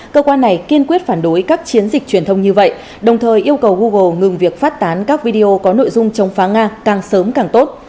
cơ quan này kiên quyết phản đối các chiến dịch truyền thông như vậy đồng thời yêu cầu google ngừng việc phát tán các video có nội dung chống phá nga càng sớm càng tốt